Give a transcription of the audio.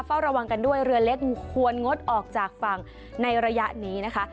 เฝ้าระวังกันด้วยเรือเล็กงูควรงดออกจากฝั่งในระยะนี้นะคะ